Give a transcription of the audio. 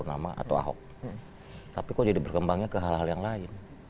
di mana ada yang berkembangnya ke hal hal yang lain